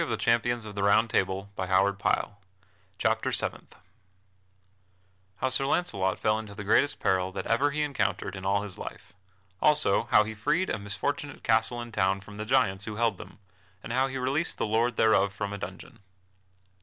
[Illustration: Sir Launcelot climbs to catch the lady's falcon] Chapter Seventh _How Sir Launcelot Fell Into the Greatest Peril that Ever He Encountered in all His Life. Also How He Freed a Misfortunate Castle and Town From the Giants Who Held Them, and How He Released the Lord Thereof From a Dungeon.